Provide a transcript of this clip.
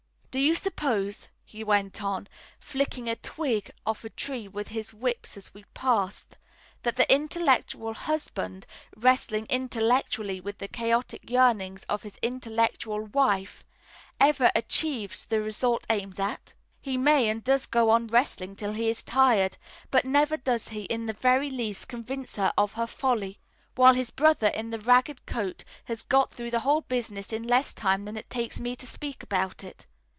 Do you suppose," he went on, flicking a twig off a tree with his whip as we passed, "that the intellectual husband, wrestling intellectually with the chaotic yearnings of his intellectual wife, ever achieves the result aimed at? He may and does go on wrestling till he is tired, but never does he in the very least convince her of her folly; while his brother in the ragged coat has got through the whole business in less time than it takes me to speak about it.